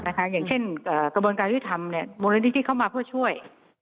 อย่างเช่นกระบวนการยุทธรรมมูลนิธิที่เข้ามาเพื่อช่วย